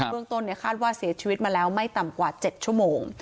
รวมต้นนี่คาดว่าเสียชีวิตมาแล้วไม่ต่ำกว่าเจ็ดชั่วโมง